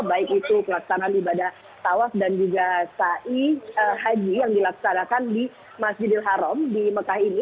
baik itu pelaksanaan ibadah tawaf dan juga ⁇ sai ⁇ haji yang dilaksanakan di masjidil haram di mekah ini